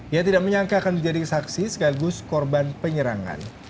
ia tidak menyangka akan menjadi saksi segagus korban penyerangan